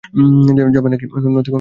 নয়তো কী অন্যে কেউ রেখে যাবে?